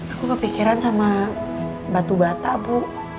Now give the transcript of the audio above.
aku kepikiran sama batu bata bu